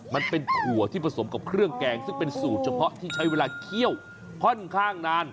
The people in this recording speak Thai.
มันเป็นถั่วที่ผสมกับเครื่องแกงซึ่งเป็นสูตรเฉพาะที่ใช้เวลาเคี่ยวค่อนข้างนาน